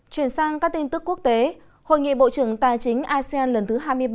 chuyển sang các tin tức quốc tế hội nghị bộ trưởng tài chính asean lần thứ hai mươi ba